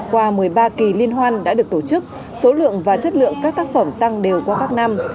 qua một mươi ba kỳ liên hoan đã được tổ chức số lượng và chất lượng các tác phẩm tăng đều qua các năm